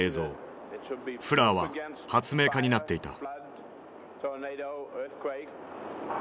フラーは発明家になっていた。